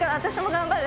頑張る！